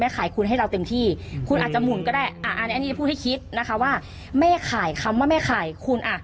คำว่าไม่ขายคำว่าไม่ขายคน